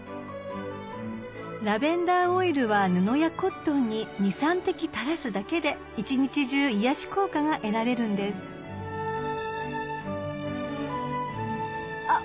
ラベンダーオイルは布やコットンに２３滴垂らすだけで一日中癒やし効果が得られるんですあっ